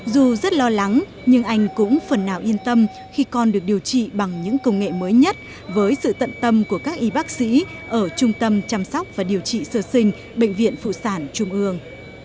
dù rất lo lắng nhưng anh cũng phần nào yên tâm khi con được điều trị bằng những công nghệ mới nhất với sự tận tâm của các y bác sĩ ở trung tâm chăm sóc và điều trị sơ sinh bệnh viện phụ sản trung ương